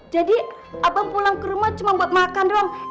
jadi abang pulang ke rumah cuma buat makan doang